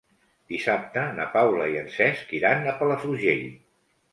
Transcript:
Dissabte na Paula i en Cesc iran a Palafrugell.